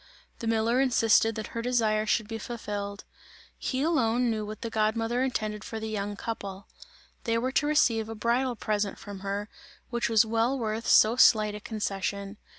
The miller insisted that her desire should be fulfilled; he alone knew what the god mother intended for the young couple; they were to receive a bridal present from her, which was well worth so slight a concession.